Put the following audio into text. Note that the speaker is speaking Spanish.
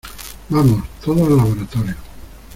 ¡ vamos! ¡ todos al laboratorio !